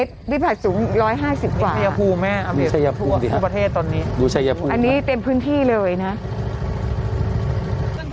กรมป้องกันแล้วก็บรรเทาสาธารณภัยนะคะ